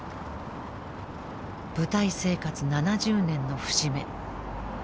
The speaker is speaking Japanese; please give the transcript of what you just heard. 舞台生活７０年の節目。